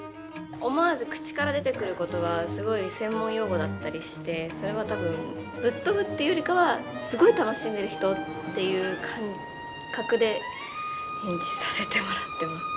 思わず口から出てくる言葉はすごい専門用語だったりしてそれは多分ぶっ飛ぶっていうよりかはすごい楽しんでる人っていう感覚で演じさせてもらってます。